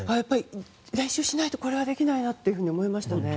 練習しないとこれはできないなと思いましたね。